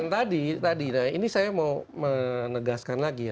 dan tadi ini saya mau menegaskan lagi ya